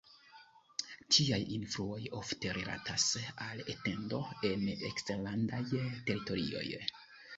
Tiaj influoj ofte rilatas al etendo en eksterlandaj teritorioj.